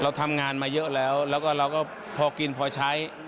เราทำงานมาเยอะแล้วแล้วก็เราก็พอกินพอใช้